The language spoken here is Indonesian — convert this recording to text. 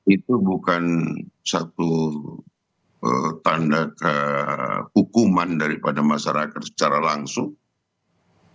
itu bukan satu tanda kehukuman daripada masyarakat secara langsung